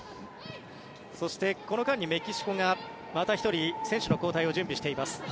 そしてこの間にメキシコがまた１人選手の交代を準備しています。